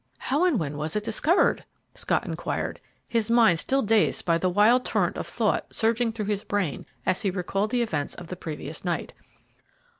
"How and when was it discovered?" Scott inquired, his mind still dazed by the wild torrent of thought surging through his brain as he recalled the events of the previous night.